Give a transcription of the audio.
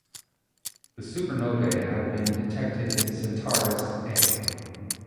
Two supernovae have been detected in Centaurus A.